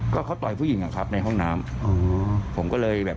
ก็เขาต่อยผู้หญิงครับในห้องน้ำผมก็เลยห้าม